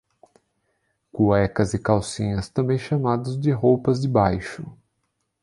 Cuecas e calcinhas, também chamados de roupas de baixo